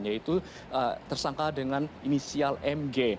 yaitu tersangka dengan inisial mg